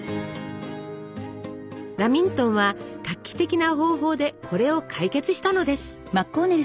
ラミントンは画期的な方法でこれを解決したのです。